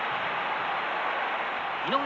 井上